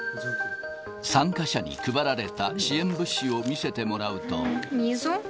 参加者に配られた支援物資を見せてもらうと。